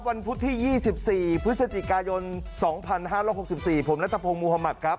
วันพุธที่๒๔พฤศจิกายน๒๕๖๔ผมรัฐพงษ์มุหมาตครับ